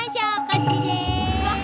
こっちです。